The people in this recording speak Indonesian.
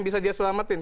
bisa dia selamatin